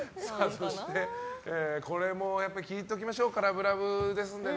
そしてこれも聞いておきましょうラブラブなので。